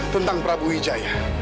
tentang prabu wijaya